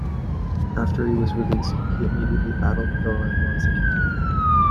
After he was released, he immediately battled Thoron once again.